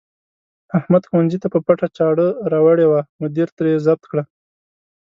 احمد ښوونځي ته په پټه چاړه راوړې وه، مدیر ترې ضبط کړه.